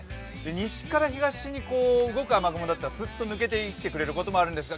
西から東に動く雨雲だったらすっと抜けていくこともあるんですが